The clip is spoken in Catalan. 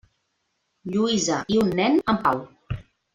Lluïsa, i un nen, en Pau.